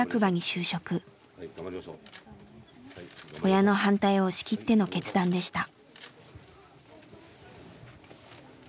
親の反対を押し切っての決断でした。